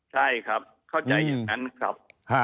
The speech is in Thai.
ใช่ครับเข้าใจอย่างนั้นครับ